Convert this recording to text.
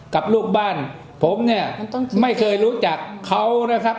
กับลูกบ้านผมเนี่ยไม่เคยรู้จักเขานะครับ